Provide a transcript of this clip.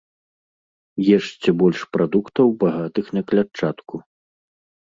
Ешце больш прадуктаў, багатых на клятчатку.